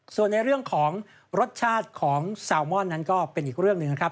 ส่วนในเรื่องของรสชาติของแซลมอนนั้นก็เป็นอีกเรื่องหนึ่งนะครับ